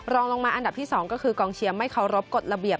รองลงมาอันดับที่๒ก็คือกองเชียร์ไม่เคารพกฎระเบียบ